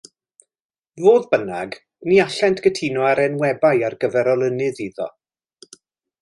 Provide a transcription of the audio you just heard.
Fodd bynnag, ni allent gytuno ar enwebai ar gyfer olynydd iddo.